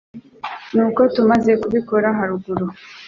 Nkuko tumaze kubibona harugu